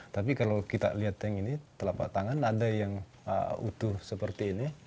tapi kalau kita lihat yang ini telapak tangan ada yang utuh seperti ini